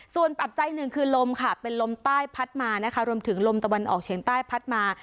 ส่วนปัจจัยหนึ่งคือลมค่ะเป็นลมใต้พัดมานะคะรวมถึงลมตะวันออกเฉียงใต้พัดมา